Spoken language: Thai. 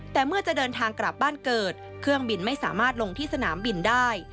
แต่เมื่อจะเดินทางกลับบ้านเกิดเครื่องบินไม่สามารถลงที่สนามบินได้